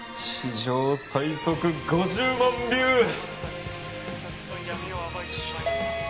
史上最速５０万ビュー！